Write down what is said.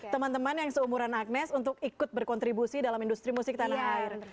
teman teman yang seumuran agnes untuk ikut berkontribusi dalam industri musik tanah air